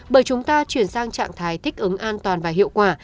bởi chúng ta chuyển sang trạng thái thích ứng an toàn và hiệu quả